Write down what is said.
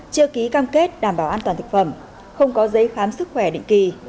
chưa ký cam kết đảm bảo an toàn thực phẩm không có giấy khám sức khỏe định kỳ